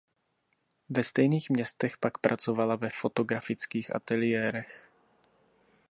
Ve stejných městech pak pracovala ve fotografických ateliérech.